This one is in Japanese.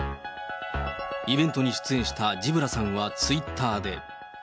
イベントに出演したジブラさんはツイッターで。